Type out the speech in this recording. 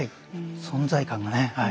存在感がねはい。